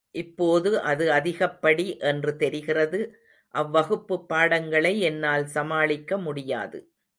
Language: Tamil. இப்போது அது, அதிகப்படி என்று தெரிகிறது அவ்வகுப்புப் பாடங்களை என்னால் சமாளிக்க முடியாது.